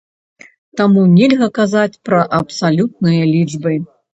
Таму нельга казаць пра абсалютныя лічбы.